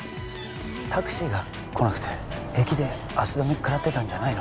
タクシーが来なくて駅で足止めくらってたんじゃないの？